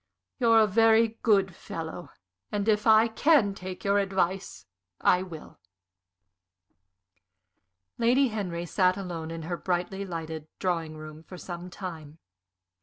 You're a very good fellow, and if I can take your advice, I will." Lady Henry sat alone in her brightly lighted drawing room for some time.